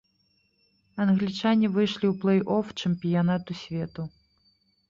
Англічане выйшлі ў плэй-оф чэмпіянату свету.